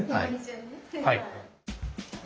はい。